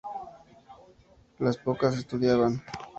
Las pocas estudiaban.